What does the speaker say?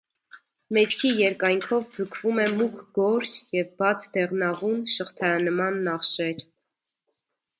Մեջքի երկայնքով ձգվում է մուգ գորշ և բաց դեղնավուն շղթայանման նախշեր։